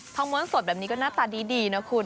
ม้วนสดแบบนี้ก็หน้าตาดีนะคุณ